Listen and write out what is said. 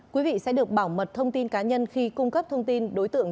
quý vị sẽ được bảo mật thông tin cá nhân khi cung cấp thông tin đối tượng